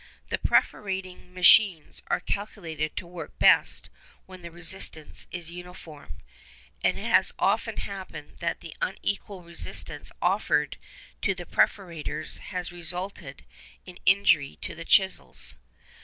The perforating machines are calculated to work best when the resistance is uniform; and it has often happened that the unequal resistance offered to the perforators has resulted in injury to the chisels.